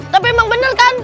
tapi emang bener kan